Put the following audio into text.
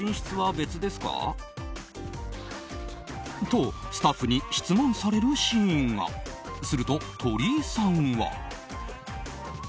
と、スタッフに質問されるシーンが。すると、鳥居さんは。